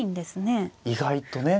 意外とね。